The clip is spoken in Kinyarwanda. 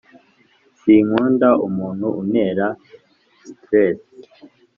Sinkunda umuntu unera siterese